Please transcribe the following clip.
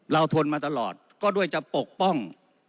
ทนมาตลอดก็ด้วยจะปกป้อง